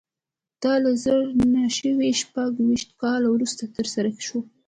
دا له زر نه سوه شپږ ویشت کال وروسته ترسره شوه